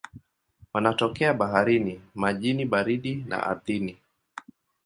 Wanatokea baharini, majini baridi na ardhini.